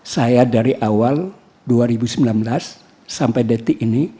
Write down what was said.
saya dari awal dua ribu sembilan belas sampai detik ini